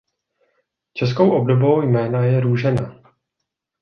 Českou obdobou jména je Růžena.